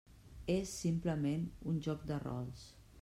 És, simplement, un joc de rols.